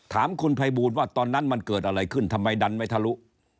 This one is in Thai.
ถามคุณภัยบูลว่าตอนนั้นมันเกิดอะไรขึ้นทำไมดันไม่ทะลุ